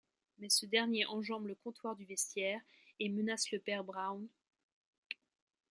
Mais ce dernier enjambe le comptoir du vestiaire et menace le père Brown...